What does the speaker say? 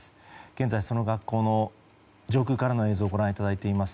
現在その学校の上空からの映像をご覧いただいています。